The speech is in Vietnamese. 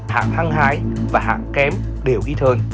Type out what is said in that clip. hạng hăng hái và hạng kém đều ít hơn